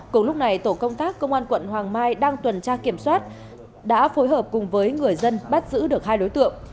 cùng lúc này tổ công tác công an quận hoàng mai đang tuần tra kiểm soát đã phối hợp cùng với người dân bắt giữ được hai đối tượng